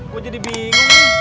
gue jadi bingung nih